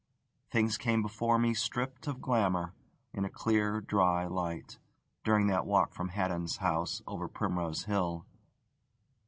Things came before me stripped of glamour, in a clear dry light, during that walk from Haddon's house over Primrose Hill.